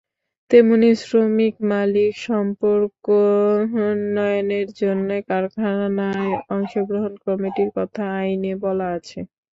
তেমনি শ্রমিক-মালিক সম্পর্কোন্নয়নের জন্য কারখানায় অংশগ্রহণ কমিটির কথা আইনে বলা আছে।